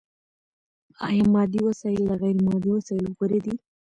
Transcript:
ايا مادي وسايل له غير مادي وسايلو غوره دي؟